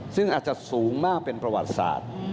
ซึ่งอาจจะสูงมากเป็นประวัติศาสตร์